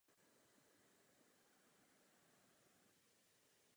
Po skončení aktivní kariéry působí jako fotbalový trenér a funkcionář.